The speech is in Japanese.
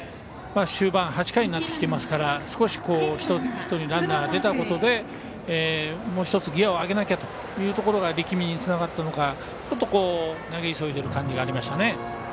終盤、８回になってきてますから１人ランナーが出たところでもう１つギヤを上げなきゃというところが力みにつながったのかちょっと、投げ急いでいる感じがありましたね。